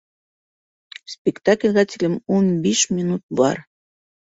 Спектаклгә тиклем ун биш минут бар.